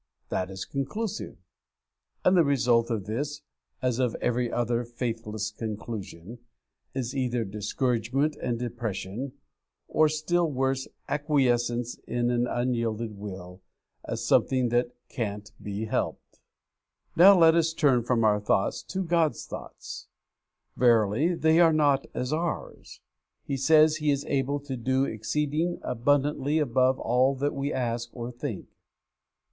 That is conclusive! And the result of this, as of every other faithless conclusion, is either discouragement and depression, or, still worse, acquiescence in an unyielded will, as something that can't be helped. Now let us turn from our thoughts to God's thoughts. Verily, they are not as ours! He says He is able to do exceeding abundantly above all that we ask or think.